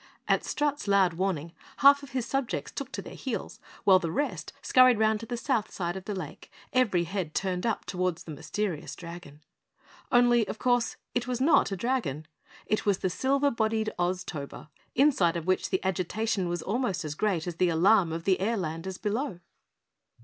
At Strut's loud warning, half of his subjects took to their heels while the rest scurried round to the South side of the lake, every head turned up toward the mysterious dragon. Only, of course, it was not a dragon. It was the silver bodied Oztober inside of which the agitation was almost as great as the alarm of the Airlanders below.